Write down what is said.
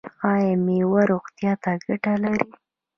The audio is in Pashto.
ایا میوه روغتیا ته ګټه لري؟